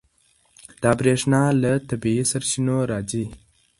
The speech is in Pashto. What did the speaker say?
دا برېښنا له طبیعي سرچینو راځي.